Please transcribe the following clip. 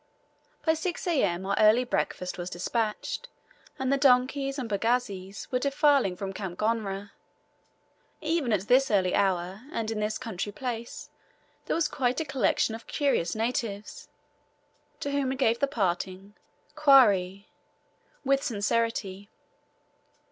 By 6 A.M. our early breakfast was despatched, and the donkeys and pagazis were defiling from Camp Gonera. Even at this early hour, and in this country place, there was quite a collection of curious natives, to whom we gave the parting "Kwaheri" with sincerity.